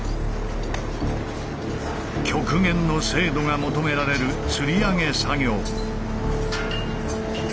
極限の精度が求められるつり上げ作業。